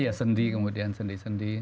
iya sendi kemudian sendi sendi